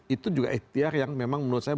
itu juga ikhtiar yang memang menurut saya